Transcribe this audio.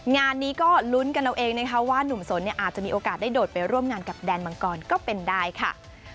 งานนี้ก็ลุ้นกันเอาเองนะคะว่านุ่มสนเนี่ยอาจจะมีโอกาสได้โดดไปร่วมงานกับแดนมังกรก็เป็นได้ค่ะ